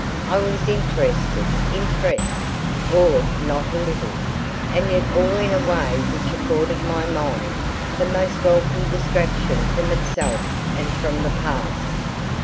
I was interested, impressed, awed not a little, and yet all in a way which afforded my mind the most welcome distraction from itself and from the past.